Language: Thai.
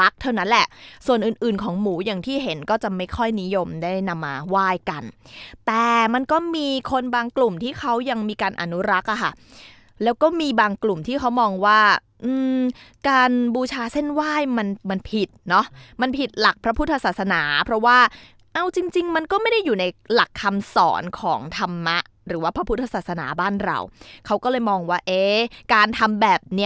เพราะมันก็มีคนบางกลุ่มที่เขายังมีการอนุรักษ์อะค่ะแล้วก็มีบางกลุ่มที่เขามองว่าการบูชาเส้นไหว้มันมันผิดเนอะมันผิดหลักพระพุทธศาสนาเพราะว่าเอาจริงจริงมันก็ไม่ได้อยู่ในหลักคำสอนของธรรมะหรือว่าพระพุทธศาสนาบ้านเราเขาก็เลยมองว่าเอ๊ะการทำแบบนี้